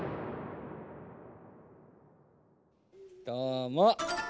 どうも。